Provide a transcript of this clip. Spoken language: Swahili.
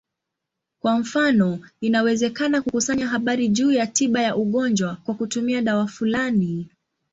Kwa mfano, inawezekana kukusanya habari juu ya tiba ya ugonjwa kwa kutumia dawa fulani.